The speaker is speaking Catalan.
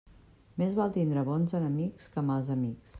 Més val tindre bons enemics que mals amics.